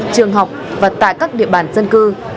trường học và tại các địa bàn dân cư